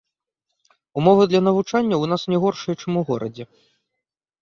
Умовы для навучання ў нас не горшыя, чым у горадзе.